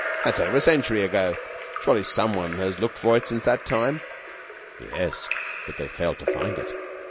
"That is over a century ago. Surely, someone has looked for it since that time?" "Yes, but they failed to find it.